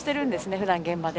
ふだん、現場で。